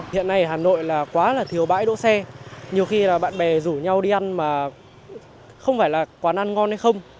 hiện nay hà nội quá là thiếu bãi đỗ xe nhiều khi bạn bè rủ nhau đi ăn mà không phải là quán ăn ngon hay không